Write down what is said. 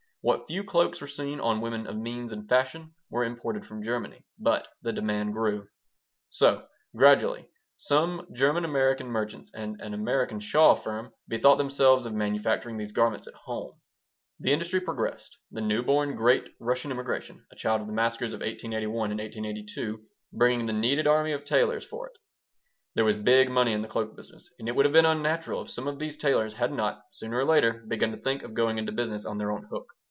What few cloaks were seen on women of means and fashion were imported from Germany. But the demand grew. So, gradually, some German American merchants and an American shawl firm bethought themselves of manufacturing these garments at home. The industry progressed, the new born great Russian immigration a child of the massacres of 1881 and 1882 bringing the needed army of tailors for it. There was big money in the cloak business, and it would have been unnatural if some of these tailors had not, sooner or later, begun to think of going into business on their own hook.